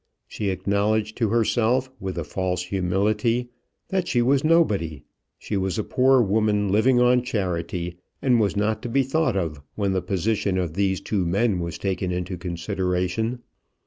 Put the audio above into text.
She acknowledged to herself, with a false humility, that she was nobody; she was a poor woman living on charity, and was not to be thought of when the position of these two men was taken into consideration.